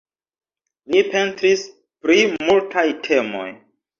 Li pentris pri multaj temoj.